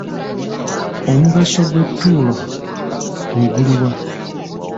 Omugaso gw'ettulo gwe guli wa?